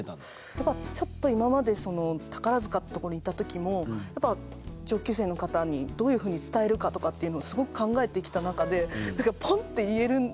やっぱちょっと今まで宝塚って所にいた時もやっぱ上級生の方にどういうふうに伝えるかとかっていうのをすごく考えてきた中でポンって言えるんですよね